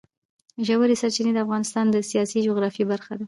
ژورې سرچینې د افغانستان د سیاسي جغرافیه برخه ده.